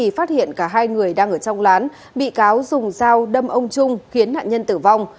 phát hiện cả hai người đang ở trong lán bị cáo dùng dao đâm ông trung khiến nạn nhân tử vong